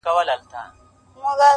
نه وي عشق کي دوې هواوي او یو بامه,